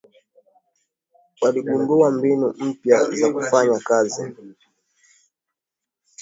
Waligundua mbinu mpya za kufanya kazi